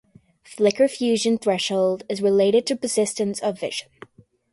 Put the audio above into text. Flicker fusion threshold is related to persistence of vision.